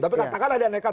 tapi akan ada yang nekat